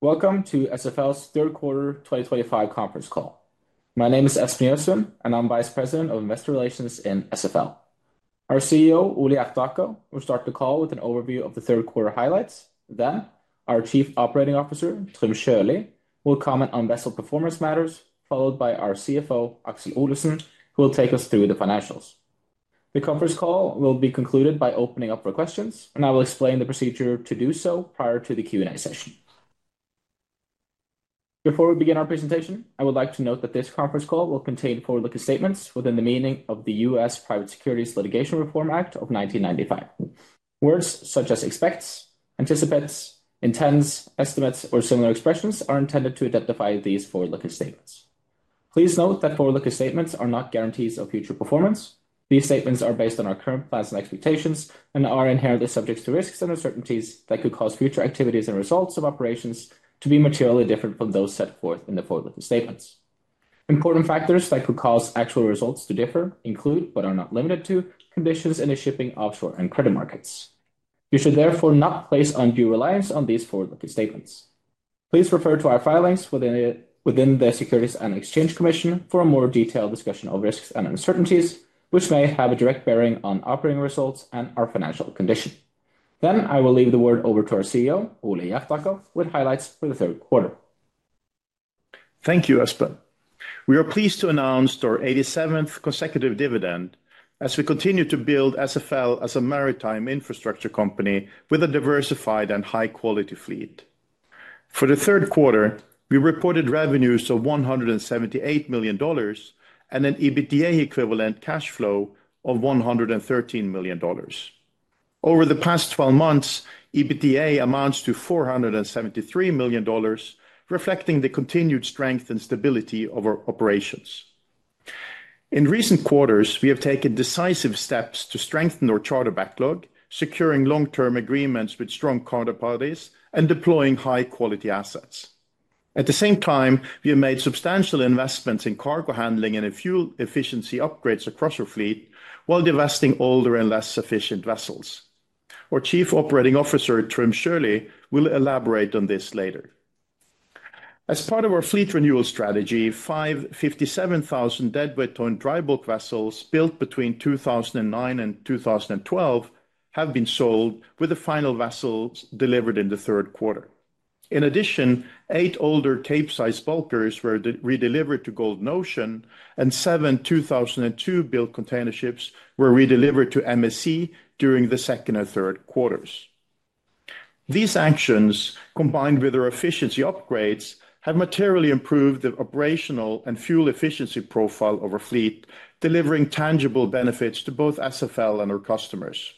Welcome to SFL's third quarter 2025 conference call. My name is Espen Olesen, and I'm Vice President of Investor Relations in SFL. Our CEO, Ole Hjertaker, will start the call with an overview of the third quarter highlights. Then, our Chief Operating Officer, Trym Sjølie, will comment on vessel performance matters, followed by our CFO, Aksel Olesen, who will take us through the financials. The conference call will be concluded by opening up for questions, and I will explain the procedure to do so prior to the Q&A session. Before we begin our presentation, I would like to note that this conference call will contain forward-looking statements within the meaning of the U.S. Private Securities Litigation Reform Act of 1995. Words such as expects, anticipates, intends, estimates, or similar expressions are intended to identify these forward-looking statements. Please note that forward-looking statements are not guarantees of future performance. These statements are based on our current plans and expectations and are inherently subject to risks and uncertainties that could cause future activities and results of operations to be materially different from those set forth in the forward-looking statements. Important factors that could cause actual results to differ include, but are not limited to, conditions in the shipping, offshore, and credit markets. You should therefore not place undue reliance on these forward-looking statements. Please refer to our filings with the Securities and Exchange Commission for a more detailed discussion of risks and uncertainties, which may have a direct bearing on operating results and our financial condition. I will leave the word over to our CEO, Ole Hjertaker, with highlights for the third quarter. Thank you, Espen. We are pleased to announce our 87th consecutive dividend as we continue to build SFL as a maritime infrastructure company with a diversified and high-quality fleet. For the third quarter, we reported revenues of $178 million and an EBITDA-equivalent cash flow of $113 million. Over the past 12 months, EBITDA amounts to $473 million, reflecting the continued strength and stability of our operations. In recent quarters, we have taken decisive steps to strengthen our charter backlog, securing long-term agreements with strong counterparties, and deploying high-quality assets. At the same time, we have made substantial investments in cargo handling and fuel efficiency upgrades across our fleet, while divesting older and less efficient vessels. Our Chief Operating Officer, Trym Sjølie, will elaborate on this later. As part of our fleet renewal strategy, five 57,000 deadweight ton dry bulk vessels built between 2009 and 2012 have been sold, with the final vessels delivered in the third quarter. In addition, eight older Cape-sized bulkers were redelivered to Golden Ocean, and seven 2002-built container ships were redelivered to MSC during the second and third quarters. These actions, combined with our efficiency upgrades, have materially improved the operational and fuel efficiency profile of our fleet, delivering tangible benefits to both SFL and our customers.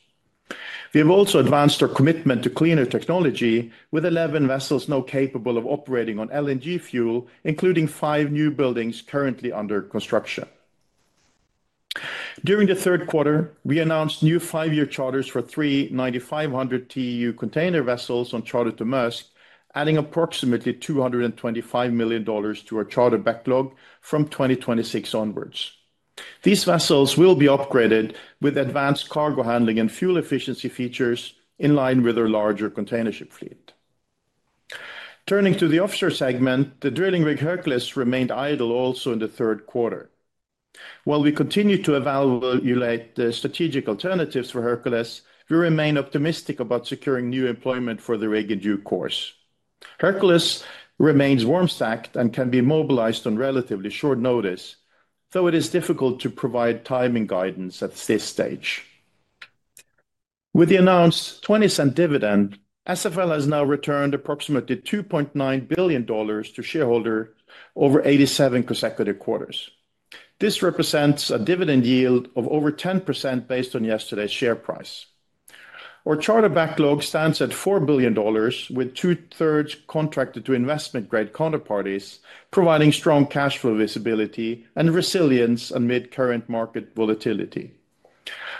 We have also advanced our commitment to cleaner technology, with 11 vessels now capable of operating on LNG fuel, including five newbuildings currently under construction. During the third quarter, we announced new five-year charters for three 9,500 TEU container vessels on charter to Maersk, adding approximately $225 million to our charter backlog from 2026 onwards. These vessels will be upgraded with advanced cargo handling and fuel efficiency features in line with our larger container ship fleet. Turning to the offshore segment, the drilling rig Hercules remained idle also in the third quarter. While we continue to evaluate the strategic alternatives for Hercules, we remain optimistic about securing new employment for the rig in due course. Hercules remains warm-stacked and can be mobilized on relatively short notice, though it is difficult to provide timing guidance at this stage. With the announced $0.20 dividend, SFL has now returned approximately $2.9 billion to shareholders over 87 consecutive quarters. This represents a dividend yield of over 10% based on yesterday's share price. Our charter backlog stands at $4 billion, with two-thirds contracted to investment-grade counterparties, providing strong cash flow visibility and resilience amid current market volatility.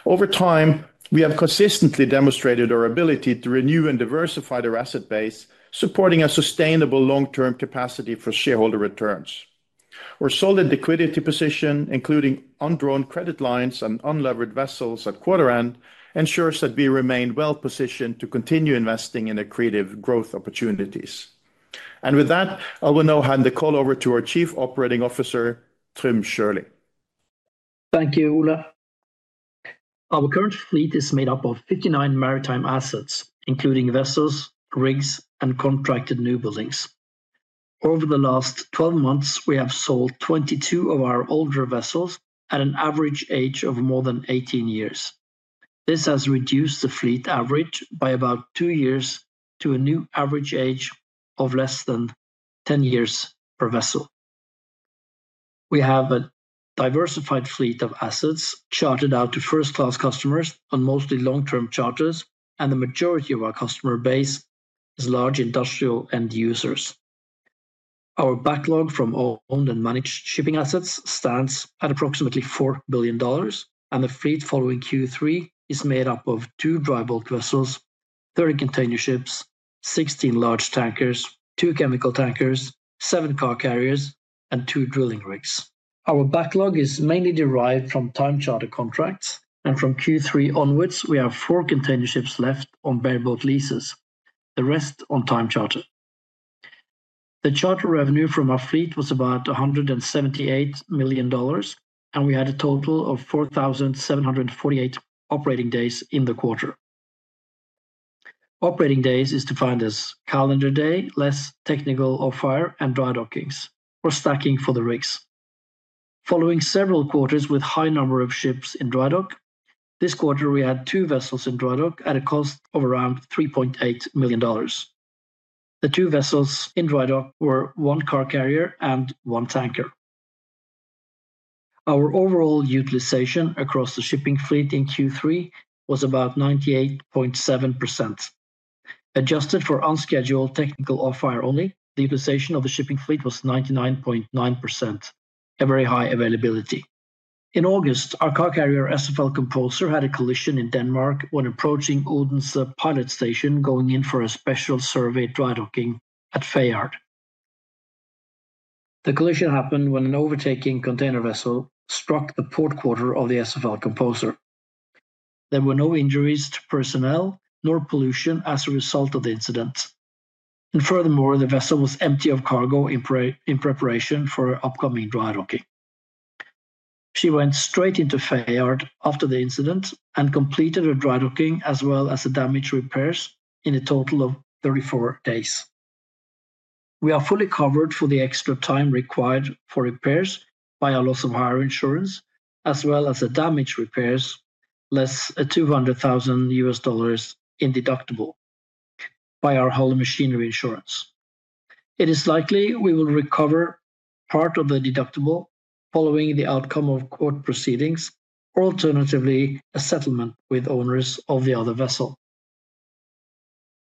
Over time, we have consistently demonstrated our ability to renew and diversify our asset base, supporting a sustainable long-term capacity for shareholder returns. Our solid liquidity position, including undrawn credit lines and unlevered vessels at quarter end, ensures that we remain well-positioned to continue investing in accretive growth opportunities. With that, I will now hand the call over to our Chief Operating Officer, Trym Sjølie. Thank you, Ole. Our current fleet is made up of 59 maritime assets, including vessels, rigs, and contracted newbuildings. Over the last 12 months, we have sold 22 of our older vessels at an average age of more than 18 years. This has reduced the fleet average by about two years to a new average age of less than 10 years per vessel. We have a diversified fleet of assets chartered out to first-class customers on mostly long-term charters, and the majority of our customer base is large industrial end users. Our backlog from owned and managed shipping assets stands at approximately $4 billion, and the fleet following Q3 is made up of two dry bulk vessels, 30 container ships, 16 large tankers, two chemical tankers, seven car carriers, and two drilling rigs. Our backlog is mainly derived from time-chartered contracts, and from Q3 onwards, we have four container ships left on bareboat leases, the rest on time-charter. The charter revenue from our fleet was about $178 million, and we had a total of 4,748 operating days in the quarter. Operating days is defined as calendar day, less technical or fire, and dry dockings or stacking for the rigs. Following several quarters with a high number of ships in dry dock, this quarter we had two vessels in dry dock at a cost of around $3.8 million. The two vessels in dry dock were one car carrier and one tanker. Our overall utilization across the shipping fleet in Q3 was about 98.7%. Adjusted for unscheduled technical or fire only, the utilization of the shipping fleet was 99.9%, a very high availability. In August, our car carrier SFL Composer had a collision in Denmark when approaching Odense Pilot Station going in for a special survey dry docking at Fejard. The collision happened when an overtaking container vessel struck the port quarter of the SFL Composer. There were no injuries to personnel nor pollution as a result of the incident. Furthermore, the vessel was empty of cargo in preparation for upcoming dry docking. She went straight into Fejard after the incident and completed her dry docking as well as the damage repairs in a total of 34 days. We are fully covered for the extra time required for repairs by our loss of hire insurance, as well as the damage repairs less $200,000 in deductible by our hull and machinery insurance. It is likely we will recover part of the deductible following the outcome of court proceedings, or alternatively a settlement with owners of the other vessel.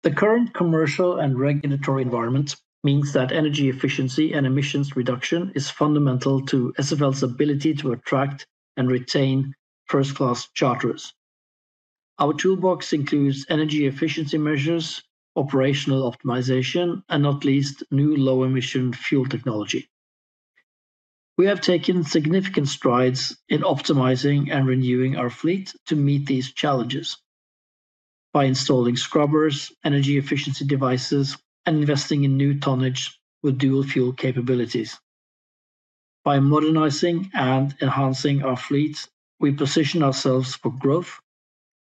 The current commercial and regulatory environment means that energy efficiency and emissions reduction is fundamental to SFL's ability to attract and retain first-class charterers. Our toolbox includes energy efficiency measures, operational optimization, and not least, new low-emission fuel technology. We have taken significant strides in optimizing and renewing our fleet to meet these challenges by installing scrubbers, energy efficiency devices, and investing in new tonnage with dual fuel capabilities. By modernizing and enhancing our fleet, we position ourselves for growth,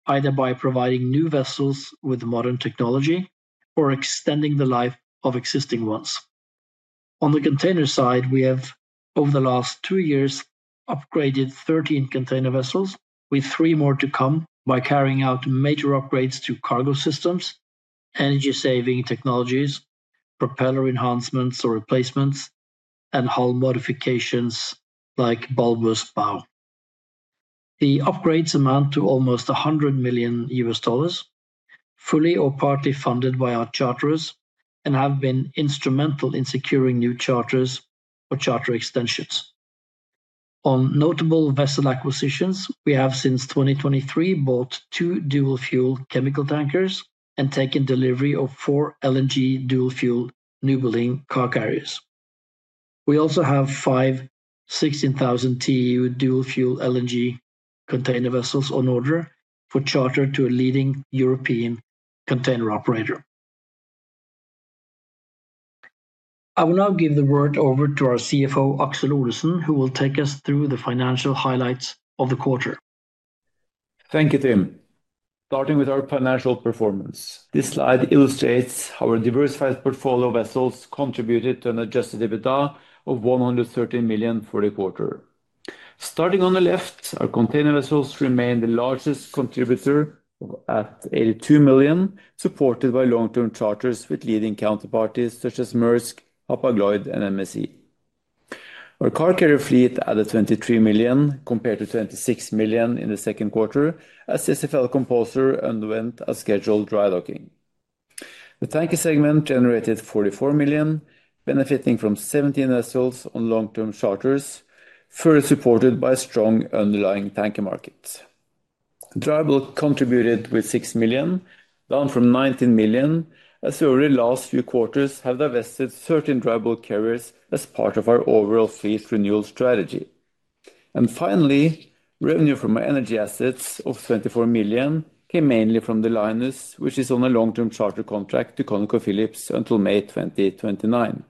either by providing new vessels with modern technology or extending the life of existing ones. On the container side, we have, over the last two years, upgraded 13 container vessels, with three more to come by carrying out major upgrades to cargo systems, energy-saving technologies, propeller enhancements or replacements, and hull modifications like bulbous bow. The upgrades amount to almost $100 million, fully or partly funded by our charterers, and have been instrumental in securing new charterers or charter extensions. On notable vessel acquisitions, we have since 2023 bought two dual fuel chemical tankers and taken delivery of four LNG dual fuel new building car carriers. We also have five 16,000 TEU dual fuel LNG container vessels on order for charter to a leading European container operator. I will now give the word over to our CFO, Aksel Olesen, who will take us through the financial highlights of the quarter. Thank you, Trym. Starting with our financial performance, this slide illustrates how our diversified portfolio of vessels contributed to an adjusted EBITDA of $113 million for the quarter. Starting on the left, our container vessels remain the largest contributor at $82 million, supported by long-term charters with leading counterparties such as Maersk, Hapag-Lloyd, and MSC. Our car carrier fleet added $23 million compared to $26 million in the second quarter as SFL Composer underwent a scheduled dry docking. The tanker segment generated $44 million, benefiting from 17 vessels on long-term charters, further supported by a strong underlying tanker market. Dry bulk contributed with $6 million, down from $19 million, as we already last few quarters have divested 13 dry bulk carriers as part of our overall fleet renewal strategy. Finally, revenue from our energy assets of $24 million came mainly from the Linus, which is on a long-term charter contract to ConocoPhillips until May 2029.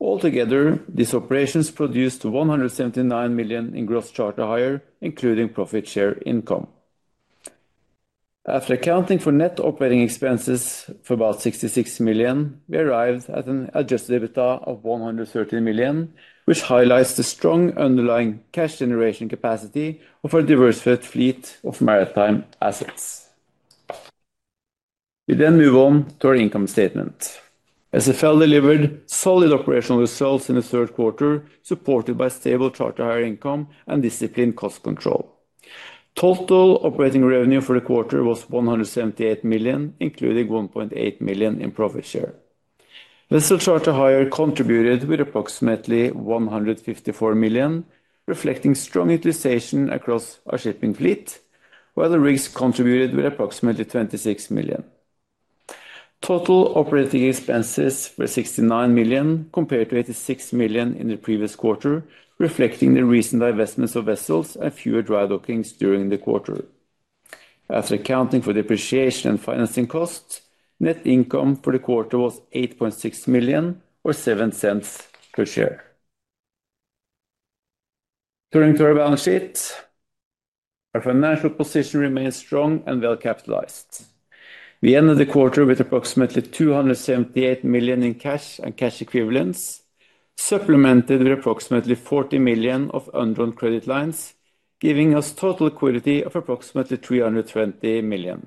Altogether, these operations produced $179 million in gross charter hire, including profit share income. After accounting for net operating expenses for about $66 million, we arrived at an adjusted EBITDA of $113 million, which highlights the strong underlying cash generation capacity of our diversified fleet of maritime assets. We then move on to our income statement. SFL delivered solid operational results in the third quarter, supported by stable charter hire income and disciplined cost control. Total operating revenue for the quarter was $178 million, including $1.8 million in profit share. Vessel charter hire contributed with approximately $154 million, reflecting strong utilization across our shipping fleet, while the rigs contributed with approximately $26 million. Total operating expenses were $69 million compared to $86 million in the previous quarter, reflecting the recent divestitures of vessels and fewer dry dockings during the quarter. After accounting for depreciation and financing costs, net income for the quarter was $8.6 million or $0.07 per share. Turning to our balance sheet, our financial position remains strong and well-capitalized. We ended the quarter with approximately $278 million in cash and cash equivalents, supplemented with approximately $40 million of undrawn credit lines, giving us total liquidity of approximately $320 million.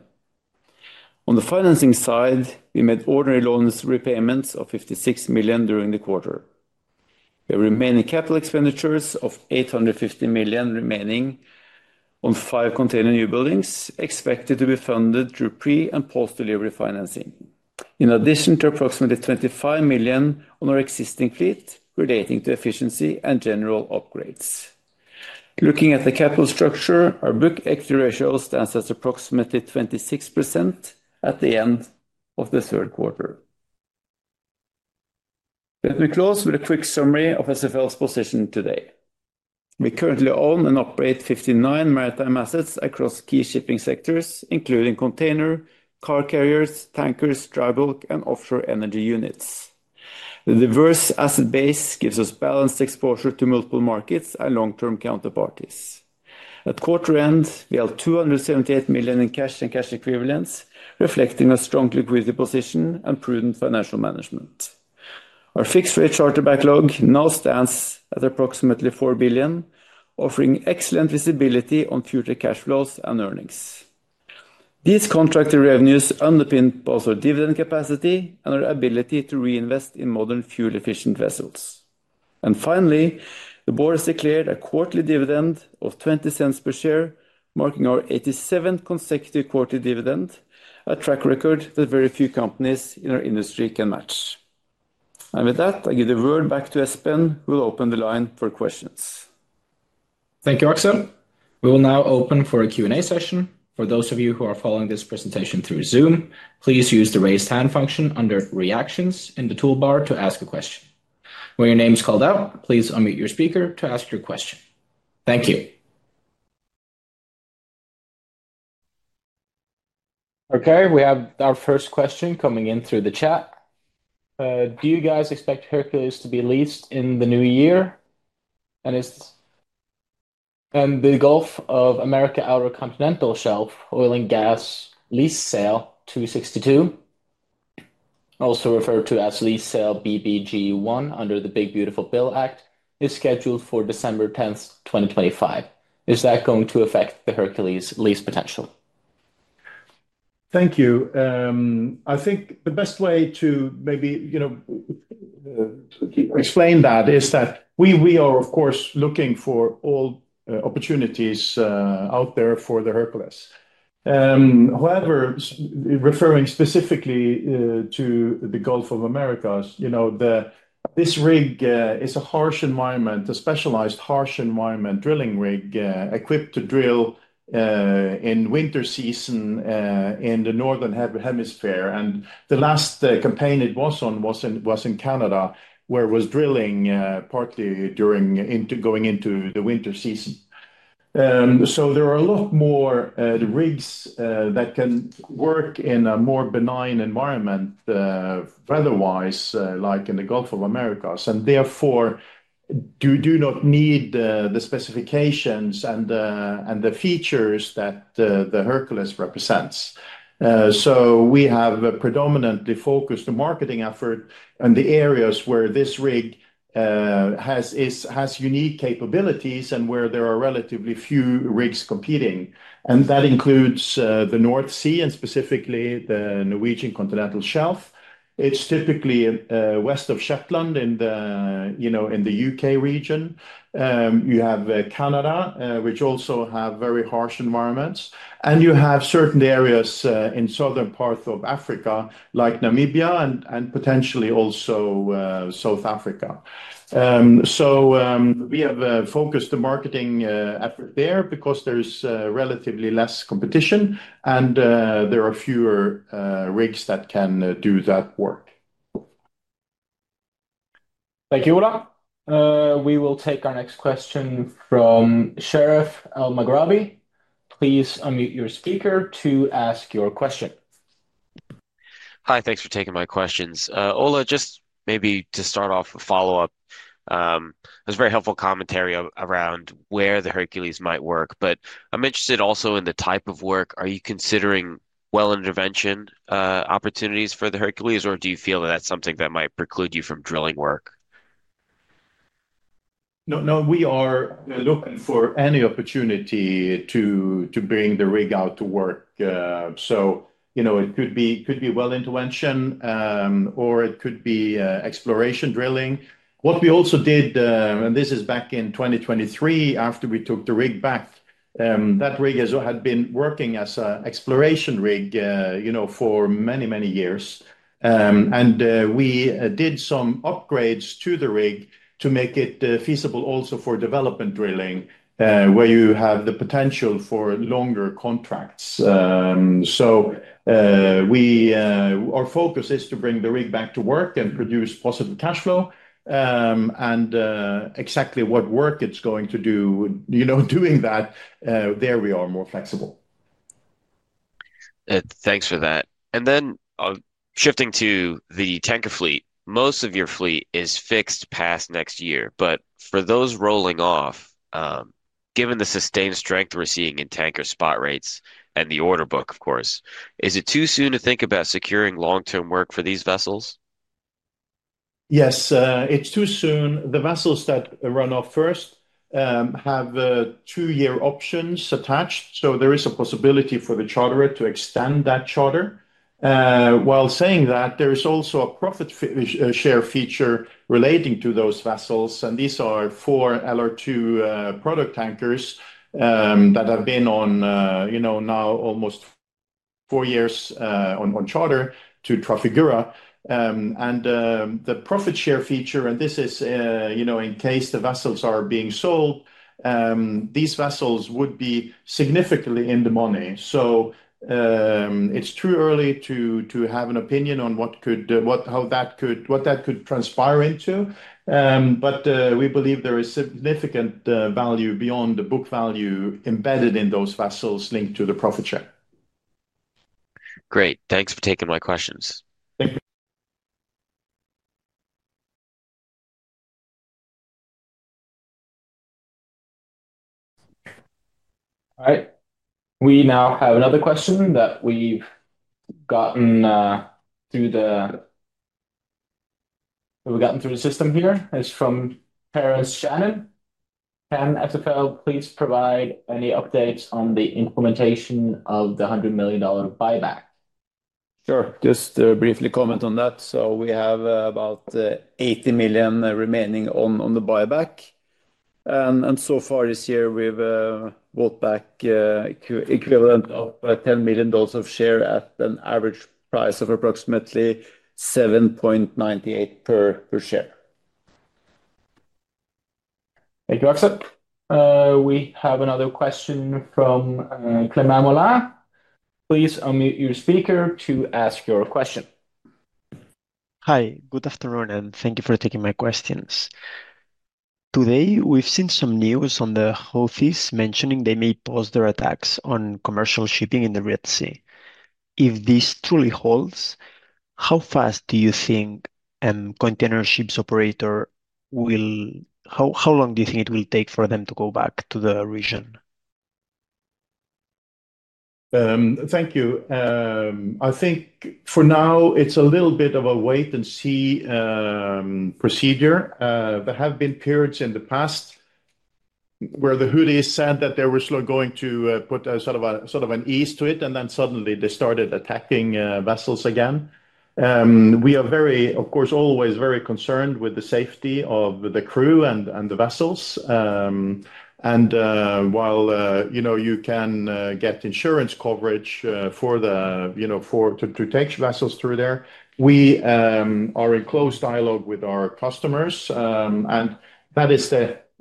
On the financing side, we made ordinary loan repayments of $56 million during the quarter. We have remaining capital expenditures of $850 million remaining on five container newbuildings expected to be funded through pre- and post-delivery financing, in addition to approximately $25 million on our existing fleet relating to efficiency and general upgrades. Looking at the capital structure, our book equity ratio stands at approximately 26% at the end of the third quarter. Let me close with a quick summary of SFL's position today. We currently own and operate 59 maritime assets across key shipping sectors, including container, car carriers, tankers, dry bulk, and offshore energy units. The diverse asset base gives us balanced exposure to multiple markets and long-term counterparties. At quarter end, we held $278 million in cash and cash equivalents, reflecting a strong liquidity position and prudent financial management. Our fixed rate charter backlog now stands at approximately $4 billion, offering excellent visibility on future cash flows and earnings. These contractor revenues underpin both our dividend capacity and our ability to reinvest in modern fuel-efficient vessels. Finally, the board has declared a quarterly dividend of $0.20 per share, marking our 87th consecutive quarterly dividend, a track record that very few companies in our industry can match. With that, I give the word back to Espen, who will open the line for questions. Thank you, Aksel. We will now open for a Q&A session. For those of you who are following this presentation through Zoom, please use the raised hand function under Reactions in the toolbar to ask a question. When your name is called out, please unmute your speaker to ask your question. Thank you. Okay, we have our first question coming in through the chat. Do you guys expect Hercules to be leased in the new year? Is the Gulf of Mexico Outer Continental Shelf Oil and Gas lease sale 262, also referred to as lease sale BBG1 under the Big Beautiful Bill Act, scheduled for December 10, 2025? Is that going to affect the Hercules lease potential? Thank you. I think the best way to maybe explain that is that we are, of course, looking for all opportunities out there for the Hercules. However, referring specifically to the Gulf of Mexico, this rig is a harsh environment, a specialized harsh environment drilling rig equipped to drill in winter season in the northern hemisphere. The last campaign it was on was in Canada, where it was drilling partly going into the winter season. There are a lot more rigs that can work in a more benign environment weather-wise, like in the Gulf of America, and therefore do not need the specifications and the features that the Hercules represents. We have a predominantly focused marketing effort in the areas where this rig has unique capabilities and where there are relatively few rigs competing. That includes the North Sea and specifically the Norwegian Continental Shelf. It's typically west of Shetland in the U.K. region. You have Canada, which also has very harsh environments. You have certain areas in southern parts of Africa, like Namibia and potentially also South Africa. We have focused the marketing effort there because there's relatively less competition and there are fewer rigs that can do that work. Thank you, Ola. We will take our next question from Sherif Al-Maghrabi. Please unmute your speaker to ask your question. Hi, thanks for taking my questions. Ole, just maybe to start off a follow-up, it was very helpful commentary around where the Hercules might work. I am interested also in the type of work. Are you considering well intervention opportunities for the Hercules, or do you feel that that is something that might preclude you from drilling work? No, we are looking for any opportunity to bring the rig out to work. It could be well intervention, or it could be exploration drilling. What we also did, and this is back in 2023 after we took the rig back, that rig has had been working as an exploration rig for many, many years. We did some upgrades to the rig to make it feasible also for development drilling, where you have the potential for longer contracts. Our focus is to bring the rig back to work and produce possible cash flow. Exactly what work it is going to do doing that, there we are more flexible. Thanks for that. Then shifting to the tanker fleet, most of your fleet is fixed past next year. For those rolling off, given the sustained strength we're seeing in tanker spot rates and the order book, of course, is it too soon to think about securing long-term work for these vessels? Yes, it's too soon. The vessels that run off first have two-year options attached. There is a possibility for the charterer to extend that charter. While saying that, there is also a profit share feature relating to those vessels. These are four LR2 product tankers that have been on now almost four years on charter to Trafigura. The profit share feature, and this is in case the vessels are being sold, these vessels would be significantly in the money. It's too early to have an opinion on what that could transpire into. We believe there is significant value beyond the book value embedded in those vessels linked to the profit share. Great. Thanks for taking my questions. Thank you. All right. We now have another question that we've gotten through the system here. It's from Terrence Shannon. Ken, SFL, please provide any updates on the implementation of the $100 million buyback. Sure. Just briefly comment on that. We have about $80 million remaining on the buyback. So far this year, we have bought back equivalent of $10 million of share at an average price of approximately $7.98 per share. Thank you, Aksel. We have another question from Klem Ola. Please unmute your speaker to ask your question. Hi, good afternoon, and thank you for taking my questions. Today, we've seen some news on the Houthis mentioning they may pause their attacks on commercial shipping in the Red Sea. If this truly holds, how fast do you think a container ship's operator will, how long do you think it will take for them to go back to the region? Thank you. I think for now, it's a little bit of a wait-and-see procedure. There have been periods in the past where the Houthis said that they were going to put sort of an ease to it, and then suddenly they started attacking vessels again. We are very, of course, always very concerned with the safety of the crew and the vessels. While you can get insurance coverage to take vessels through there, we are in close dialogue with our customers. That is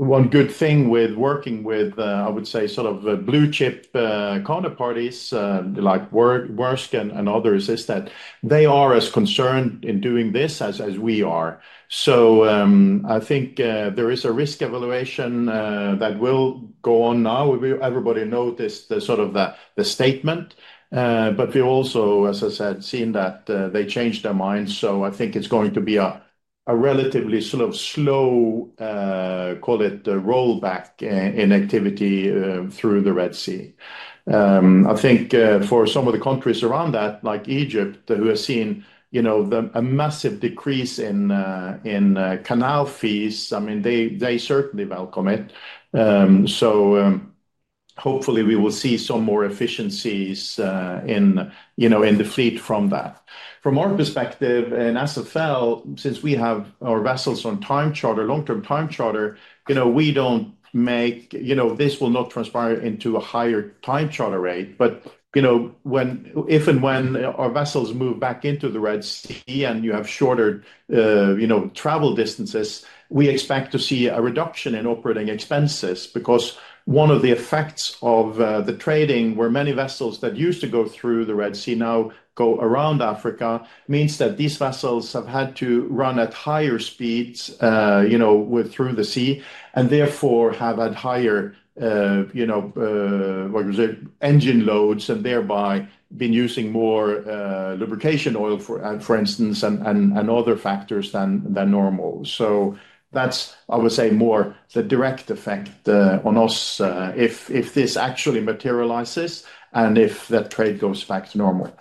one good thing with working with, I would say, sort of blue-chip counterparties like Maersk and others, is that they are as concerned in doing this as we are. I think there is a risk evaluation that will go on now. Everybody noticed sort of the statement. We also, as I said, have seen that they changed their minds. I think it's going to be a relatively sort of slow, call it rollback in activity through the Red Sea. I think for some of the countries around that, like Egypt, who have seen a massive decrease in canal fees, I mean, they certainly welcome it. Hopefully, we will see some more efficiencies in the fleet from that. From our perspective in SFL, since we have our vessels on time charter, long-term time charter, we don't make—this will not transpire into a higher time charter rate. If and when our vessels move back into the Red Sea and you have shorter travel distances, we expect to see a reduction in operating expenses because one of the effects of the trading, where many vessels that used to go through the Red Sea now go around Africa, means that these vessels have had to run at higher speeds through the sea and therefore have had higher, what you say, engine loads and thereby been using more lubrication oil, for instance, and other factors than normal. That's, I would say, more the direct effect on us if this actually materializes and if that trade goes back to normal.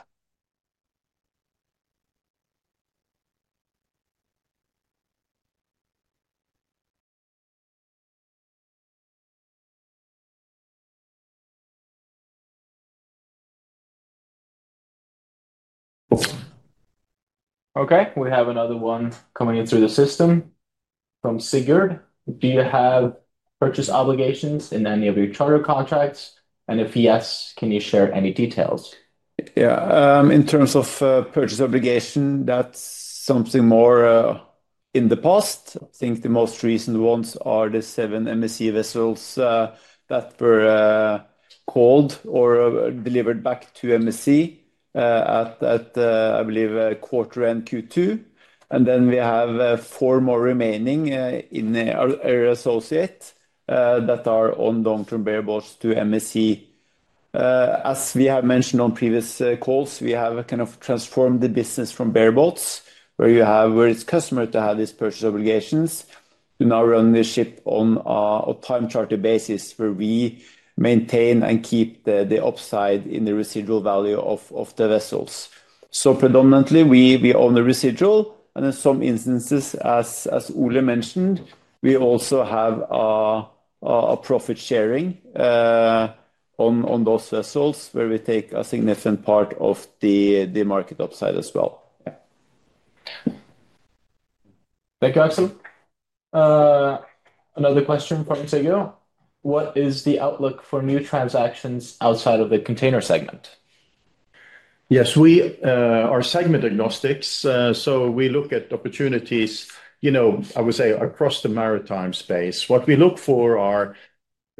Okay. We have another one coming in through the system from Sigurd. Do you have purchase obligations in any of your charter contracts? If yes, can you share any details? Yeah. In terms of purchase obligation, that's something more in the past. I think the most recent ones are the seven MSC vessels that were called or delivered back to MSC at, I believe, quarter end Q2. Then we have four more remaining in our area associates that are on long-term bareboats to MSC. As we have mentioned on previous calls, we have kind of transformed the business from bareboats, where it's customary to have these purchase obligations. We now run the ship on a time charter basis, where we maintain and keep the upside in the residual value of the vessels. Predominantly, we own the residual. In some instances, as Ole mentioned, we also have a profit sharing on those vessels, where we take a significant part of the market upside as well. Thank you, Aksel. Another question from Sigurd. What is the outlook for new transactions outside of the container segment? Yes, we are segment agnostics. So we look at opportunities, I would say, across the maritime space. What we look for are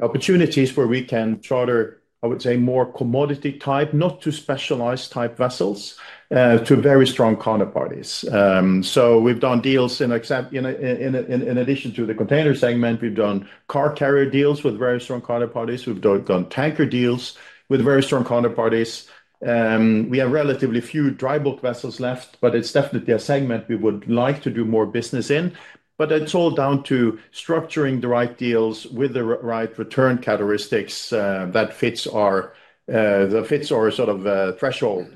opportunities where we can charter, I would say, more commodity-type, not too specialized-type vessels to very strong counterparties. So we've done deals in addition to the container segment. We've done car carrier deals with very strong counterparties. We've done tanker deals with very strong counterparties. We have relatively few dry bulk vessels left, but it's definitely a segment we would like to do more business in. But it's all down to structuring the right deals with the right return characteristics that fits our sort of threshold.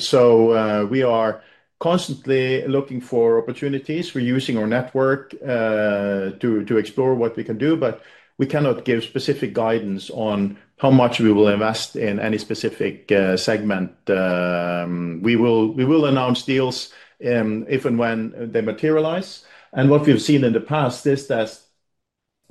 So we are constantly looking for opportunities. We're using our network to explore what we can do, but we cannot give specific guidance on how much we will invest in any specific segment. We will announce deals if and when they materialize. What we've seen in the past is that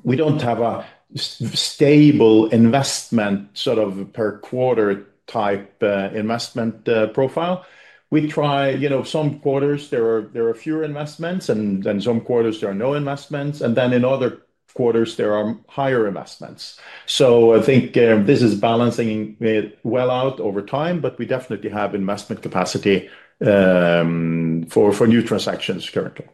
we do not have a stable investment sort of per quarter type investment profile. We try some quarters, there are fewer investments, and then some quarters, there are no investments. In other quarters, there are higher investments. I think this is balancing well out over time, but we definitely have investment capacity for new transactions currently.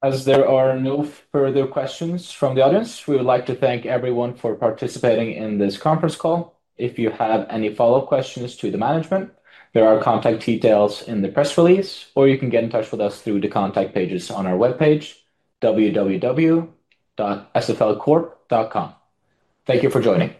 As there are no further questions from the audience, we would like to thank everyone for participating in this conference call. If you have any follow-up questions to the management, there are contact details in the press release, or you can get in touch with us through the contact pages on our web page, www.sflcorp.com. Thank you for joining.